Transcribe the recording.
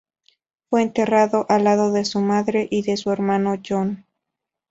Fue enterrado al lado de su madre y de su hermano John.